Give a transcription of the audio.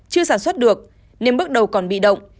chưa sản xuất được nên bước đầu còn bị động